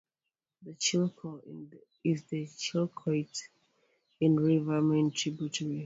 The Chilko is the Chilcotin River's main tributary.